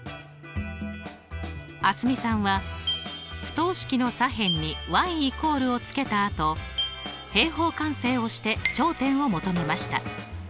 蒼澄さんは不等式の左辺に＝を付けたあと平方完成をして頂点を求めました。